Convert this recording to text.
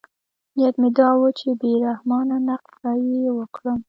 نیت مې دا و چې بې رحمانه نقد به یې وکړم.